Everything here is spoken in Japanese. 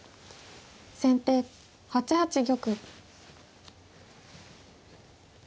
先手８八玉。